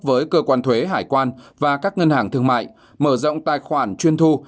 với cơ quan thuế hải quan và các ngân hàng thương mại mở rộng tài khoản chuyên thu